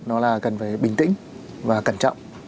nó là cần phải bình tĩnh và cẩn trọng